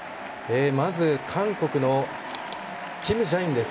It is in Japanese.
まず、韓国のキム・ジャインです。